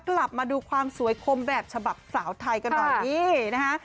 กลับมาดูความสวยคมแบบฉบับสาวไทยกันหน่อยนี่นะฮะ